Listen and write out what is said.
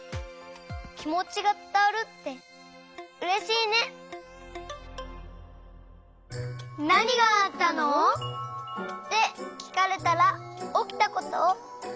きもちがつたわるってうれしいね！ってきかれたらおきたことをじゅんばんにはなそう！